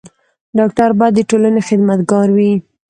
ډاکټر بايد د ټولني خدمت ګار وي.